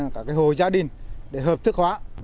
các hồ gia đình để hợp thức hóa